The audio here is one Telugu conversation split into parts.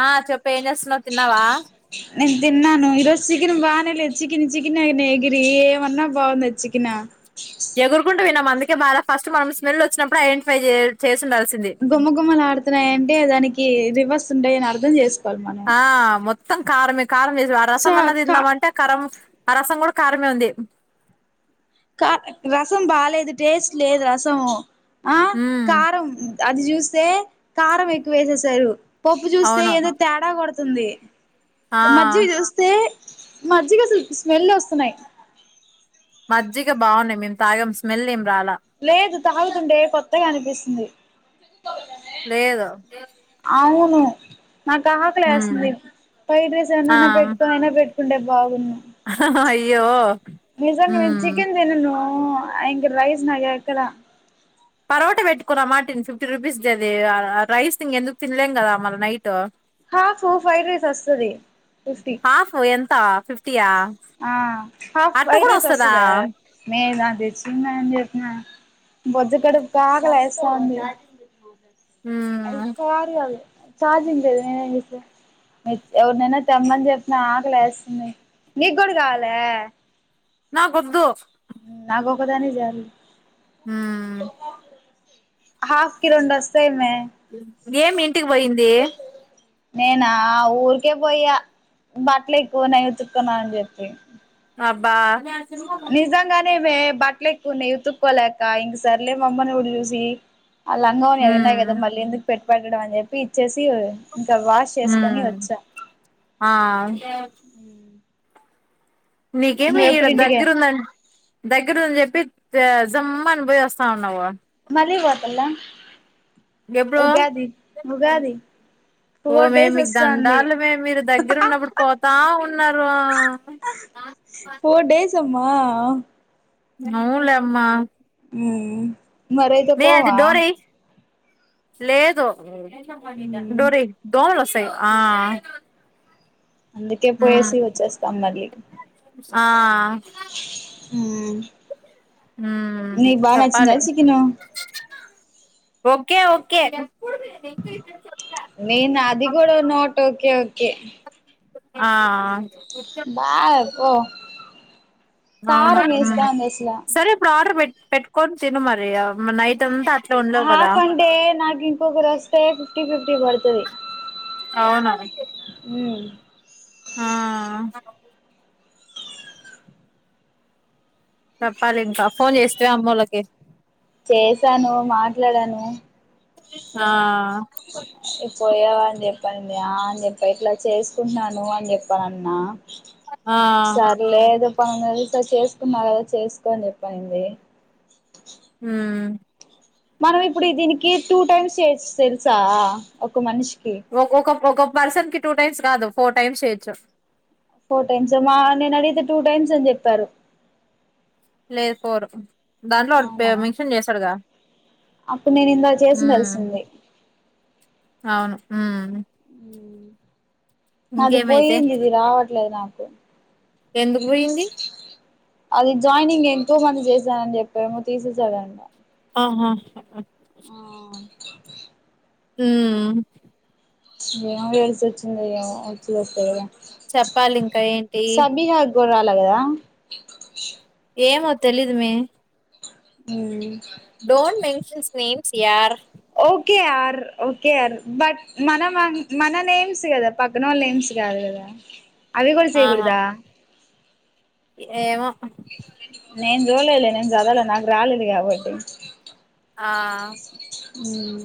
ఆ చెప్ప ఎమ్ చేస్తున్నావ్ తిన్నావా నేను తిన్నాను ఈ రోజు చికెన్ బాగానే లేదు చికెన్ చికెన్ న ఎగిరి ఏమన్నా బాగుంది చికెన్ ఎగురుకుంటు తిన్నాం అకే బాగా ఫస్ట్ మనం స్మెల్ వచ్చినప్పుడు ఐడెంటిఫై చేసిండల్సి గుమగుమలు ఆడుతున్నాయంటే దానికి ఈ రివర్స్ ఉండే అనిర్థం చేసు ఆ మత్త సంసార మ కారం చేస ఆ సో రసం అన్నది కా తిందాం అంటే కరారం ఆ రసం కూడా కారంమే ఉంది కా రసం బాలేేదు టేస్ట్ లేదు రసము ఆ హ కారం అది చూస్తే కారం ఎక్కువ వేసేసారు పప్పు చూస్తే అవును ఏదో తేడా కొడు వస్తుంది ఆ మజీ వస్తే మజ్జిగ అసలు స్మెల్ వస్తున్నాయి మజ్జగ బాగున్నాయి మేము తాగం స్మెల్ ఏం రాలా లేదు తాగుతుండే కొత్తగా అనిపిస్తుంది లేదా అవును నాకు ఆహకలి వేస్తుంది పై డ్రెస్ ఆ ఏనా పెట్టుకో అయినా పెట్టు ఉండే బాగున్నా అయ్యో మీజ ఉమ్ చికెన్ దేనను అంగ వైసు నా కకల పరోట పెట్టుకున్నమాటని ఫిఫ్టీ రూపీస్ దదది రైస్ ఇక ఎందుకు తినలేం కదా మరి నైట్ హా ఫోర్ ఫైడ్ రాైస్ వస్తంది ఫఫ్టీ హాఫ్ ఎంత ఫిఫ్టీయా ఆ హఫ అట్ట ఫైడ్ కూడా రైస్ వస్తదా వస్తుద మేాన్నతు బొద్జు కడుపు కాగాలా ఎస్తా ఉంది అ ఉమ్ కారు అదు చజ నేనే మీ ఎవరినైనా తెమ్మని చెప్పిన ఆకలి వేస్తుంది నీకు కూడా కావాల నా గద్దు నాకు ఒకదాని జరి హ హాఫ్ కిలోడిస్తామే ఉ ఏమింటి కి పోయింది నేనా ఆ ఊరికే పోయి బట్టలు ఎక్కువ న ఉతుకున్నా అని చెప్పి అబ్బా నిజాంగానే మే బట్టట్లే ఉన్నాయి ఉతుకుకోలేక ఇంగా సర్లే అని మా అమ్మ ని పిలిచి అల్ల అమ్మయి [unintelligible] వి ఉన్నాయి ఉమ్ కదా మళ్ళీ ఎందుకు పెట్టండి అనేసి ఇచ్చేసా ఇంకా వాష్ చేసుకొని వచ్చా ఏ [inaudible] నీకేమి నువ్వు ఇక్కడ ఎప్పుడు ఇంటికి దగ్గరుందని దగ్గరుని చెప్పి జమ్మని బోయి వస్తాన్నావు పలిగెత్తల్ల ఇంకెప్పుడు ఓ ఫోర్ మేము డేస్ మీకు వస్తాంది దండాలు మే మీరు దగ్గర ఉన్నప్పుడు పోతా ఉన్నారు మా అవునులే అమ్మా మ్మ్ మరయితే పో అది డోరేయ్ లేదు డోర్ ఎయ్ అందుకే డో సే ఆ అందుకే ఉమ్ పోయేసి వచ్చేస్తా మళ్ళీ ఆ ఓవ్ మూ చెప్పాలే చికెను ఓకే ఓకే మెయిన్ అది కూడా కూడా నోట్ ఓకే ఓకే ఆ ఆ బా పో కారం వేస్తాంది అసల సరే ఇప్పుడు ఆర్డర్ పెట్ట్ పెట్కొని తిను మరి అ నైట్ అంతా అట్లే ఉండలేవు కదా హాఫ్ అన్ డే నా ఇంకరు వొస్తే ఫిఫ్టీ ఫిఫ్టీ పడుతది ఆ చెప్పాలి ఇంకా ఫోన్ చేస్తివా అమ్మల్లకి చేసాను మాట్లాడాను ఆ ఓ [inaudible] పోయావా అని చెప్పండి అ అని చెప్పి ఇట్లా చెస్తుందని చెప్పండి అమ్మ ఆ ప చేసుకున్నారు కదా చేసుకోని చెప్పండి హ్మ్మ్ మనం ఇప్పుడు దీనికి టూ టైమ్స్ చేయొచ్చు తెలుసా ఒక మనిషికి వ ఓ క వ క పర్సన్ కి టూ టైమ్స్ కాదు ఫోర్ టైమ్స్ చేయొచ్చు ఫోర్ టైమ్స్ మా నేను అడిగితే టూ టైమ్స్ అని చెప్పారు లేదు ఫోర్ దాంట్లో వాడు పే అవునా మెన్షన్ చేసాడుగా అప్పుడు నేను ఇంద మ్మ్ చేసిడాలిసింది అవును హ్మ్మ్ హ్మ్మ్ అది ఇంకేమైతే పోయింది ఇది రావట్ దు నాకు ఎందుకు పోయింది అది జాయినింగ్ ఎంతో మంది చేశానని చెప్పేమో తీసేసాదంటా ఆహా ఆ కోల్ప హ్మ్మ్ ఏం ఏసిశాచిందో ఏమో వచ్చి చస్తలేదు చెప్పాలి ఇంకా ఏంటి లాదా ఏమో తెలీదు మీ డోంట్ మె స్ నేమ్స్ యార్ ఓకేయార్ ఓకే యార్ బట్ మన మ మన నేమ్స్ కదా పక్కన వాళ్ళు నేమ్స్ కాదు కదా అవి కూడా ఆహా చేయకూడదా ఏమో నేను చూడలేలే నేను చదవలే నాకు రాలేదు కాబట్టి ఆ హ్మ్మ్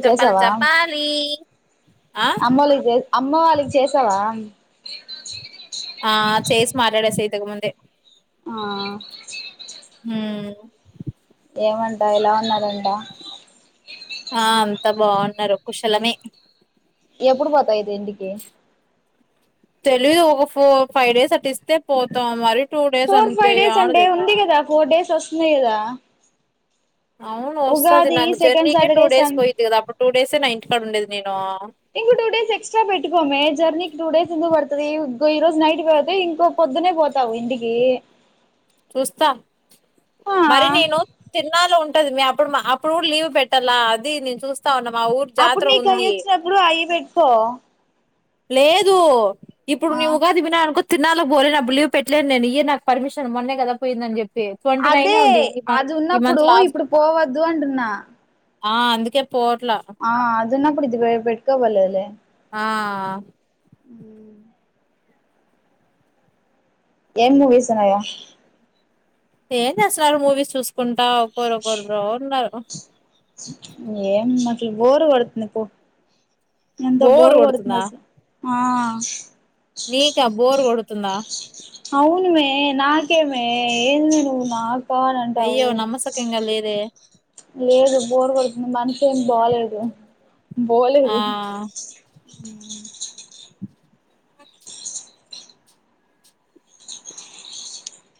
చప్పాలి చప్పాలి అమ్మ వాళకి చే అమ్మ వాళ్ళకి చేసావా ఏంచి ఆ చేసి మాట్లాడే స ఇతకు ముందే ఆ హుమ్మ్ ఏమంట ఎలా ఉన్నారంట ఆ అంతా బాగున్నారు కుశలమే ఎప్పుడు పోతాయి ఎంటికే తెలిదు ఒక ఫోర్ ఫైవ్ డేస్ అట్ ఇస్తే పోతాం మరి టూ డేస్ ఫోర్ అంటే ఫైవ్ డేస్ యాడ సండే చెప్పు ఉందిగాద ఫోర్ డేస్ అస్తే దా అవును వస్తది నాకు సెకండ్ జర్నీకే టూ సాటర్డే డేస్ సన్ పోయిది కదా అప్పుడు టూ డేసే నైట్ కడ ఉండేది నేను ఇంకో టూ డేస్ ఎక్స్ట్రా పెట్టుకోమే జర్నీకి టూ డేస్ ఎందుకు పడుతుది ఈ రోజు నైట్కిళ్తే ఇంకో పొద్దునే పోతావు ఇంటికి చూస్తా ఆ మరి నేను తిన్నాలో ఉంట ది అప్పుడు మా అప్పుడు కూడా లీవ్ పెట్టాలా అది నేను చూస్త అప్పుడు నీక అయ వచ్చినప్పుడు అయి పెట్టుకో లేదు ఇప్పుడు ఆ నువ్వు కది వి అనుకో తిన్నాలో పోలే నాప్పుడు లీవ్ పెట్టలేదు నేను ఇ నాకు పర్మిషన్ మొనే కదా పోయిందని చెప్పి ట్వంటీ అదే నైనే ఉంది ఈ మంత్ అది ఈ మంత్ ఉన్నప్పుడు లాస్ట్ ఇప్పుడు పోవద్దు అంటున్నా ఆ అందుకే పోట్లా నా పడి బెడ్క బల్ ఆ ఎ మూవీసన్నాయో ఏం చేస్తున్నారు మూవీస్ చూస్ కుంటా ఒక ఒకరు ఒకరురు ఉన్నారు ఏం అసలు బోరు పడుతుంది పూ ఎంత బోర్ బర్ పోడుతుంద కొడుతుందా స ఆ నీకా బోర్ కొడు తుందా అవున్ మే నాకే మే ఎల్ నా కాని అంటావు అయ్యో నమ్మసకంగా లేదే లేదు బోరు కొడుతుంది మన ఏం బాలదు ఆ బోలేదు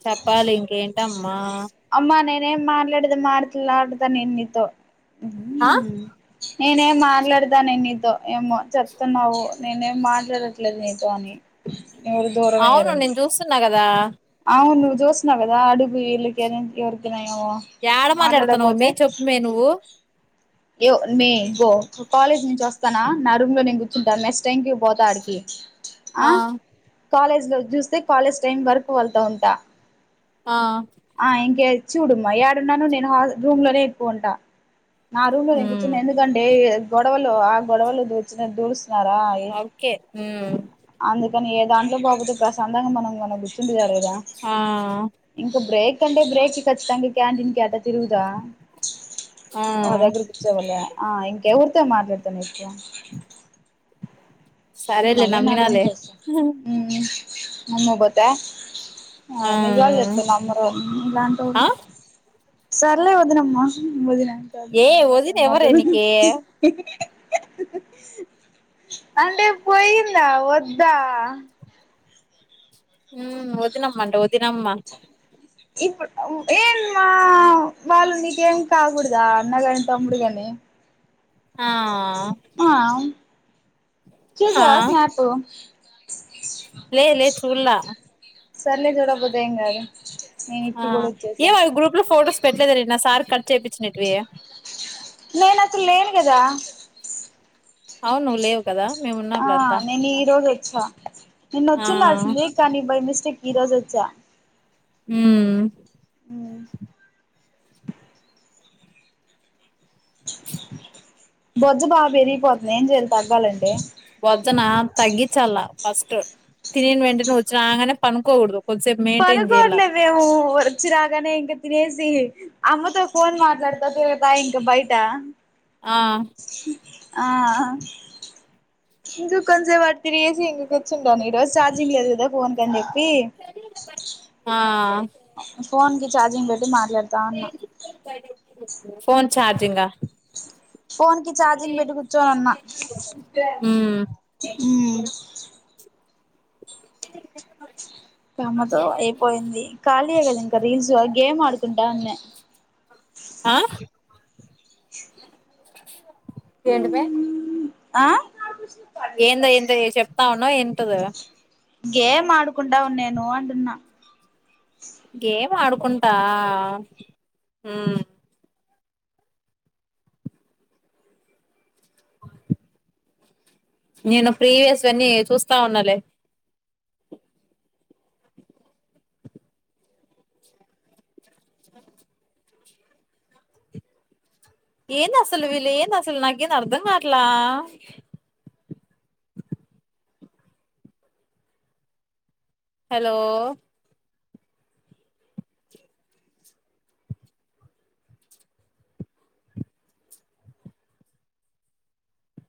చెప్పాలి ఇంకేంటమ్ మా ఎం మాట్లాడేద్ మాట్లాడతా నేన్ నీతో ఆ నేన్నేమ్ మాట్లాడత నేన్ నీతో ఏమో చెప్తున్నావు నేనేం మాట్లాడట్లేదు నీతో అని ఎవరు దూరం అవును అయ్యారని నేను చూస్తున్నా కదా అవును నువ్ జుస్తున్నావ్ కాద అడుగు ఇల్కి ఎవరికైనా ఏమో యాడ మాట్లాడ్తున్నావ్ మాట్లాడకపోతే మే చొప్ మే నువ్వు యో మే గో కాలేజ్ నుంచి వస్తానా నా రూమ్ లో నేను కూర్చుంటా నెక్స్ట్ టైం కి బోత ఆడికి ఆ కాలేజ్ లో చూస్తే కాలేజ్ టైం వరక్ కు వెళ్తా ఉంటా ఆ ఆ ఇంకేద్ చూడుమ్మా ఏడున్నాను నేను రూమ్ లోనే ఎక్కువుంటా నా రూమ్ లో నేను ఉమ్ కూర్చున్నా ఎందుకంటే గొడవలు ఆ గొడవలు దో వచ్చిన దోస్ తిన్నారా ఏ హ్మ్ కనీ ఏ దాంట్లో బోగుడుపా ప్రశాంతంగా మనం మనం గూర్చుంటే చాలు ఆ ఇంకా బ్రేక్ కంటే బ్రేక్ కి ఖచ్చితంగా క్యాంటిన్ క్యా తిరుగుదా ఆ ఓ దగ్గర కూర్చోవాలే ఆ ఇంకెవరితో మాట్లాడు కొనిచ్చ సరేలే నమ్మినాలే నమ్మ గొతే ఆ నిజాలు చెప్తే నమ్మరు నీలాంటోళ్ళు ఆ సర్లే వదినమ్మా వదిన ఇంకా అదే ఏ ఆ అదే వదిన ఎవరే మరదలు నీకి అంటే పోయిందా వద్దా ఉమ్ వదినమ్మంట వదినమ్మ ఇప్పుడు ఏం మా వాళ్ళు నీకేం కాకూడదా అన్నగాని తమ్ముడు గాని, ఆ ఆ ఆ చూసావా స్నాపు లే లే చూడలా సర్లే చూడకపోతే ఏం గాదు ఆ ఏవాడు గ్రూప్ లో ఫోటోస్ పెట్టలేదే నిన్న సార్ కట్ చేపిచ్చినేటివి నేను అసలు లేను కదా అవును లేవు కదా మేము ఆ ఉన్నాంలే అంతా నేను ఈ రోజు వచ్చా నేను ఆ వచ్చిండాల్సింది కానీ బై మిస్ చిక్ ఈ రోజు వచ్చా ఊ ఊ బొజ్జ బా పెరిగిపో నేం చేయాలి తగ్గాలంటే వొజ్జన తగ్గించాల ఫస్ట్ తినిన వెంటనే వచ్చి రాంగానే పనుకోకూడదు కొద్దిసేపు మెయింటైన్ చేయాల పనుకోట్లేదే ఊ వచ్చి రాగనే ఇంక తినేసి సిఅమ్మతో ఫోన్ మాట్లాడతా తిరగతా ఇంక బయట ఆ ఆ ఇంక కొంచెం అట్ తిరిగేసి ఇంకా కుర్చుంటాను ఈ రోజు చార్జింగ్ లేదు కదా ఫోన్ కని చెప్పి ఆ ఫోన్ కి చార్జింగ్ పెట్టీ మా మాట్లాడతా ఉన్న ఫోన్ చార్జింగ్ గా ఫోన్ కి చార్జింగ్ పెట్టి కూర్చో ఉన్నా ఉమ్ కమ్మతో అయిపోయింది ఖాళీ ఏ కదా ఇంకా రీల్స్ గేమ్ ఆడుకుంటా [unintelligible] ఆ ఏంటి మే ఆ ఏందో ఏదో ఏ చెప్తా [unintelligible] గేమ్ ఆడు కుంటా ఉన్నేను అంటున్నా గేమ్ ఆడుకుంటా మ్మ్ నేను ప్రీవియస్ అన్నీ చూస్తా ఉన్నాలే ఏంది అసలు వీళ్లు ఏంది అసలు నాకేం అర్ధం కాట్లా హలో